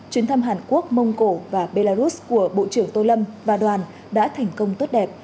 chuyến thăm hàn quốc mông cổ và belarus của bộ trưởng tô lâm và đoàn đã thành công tốt đẹp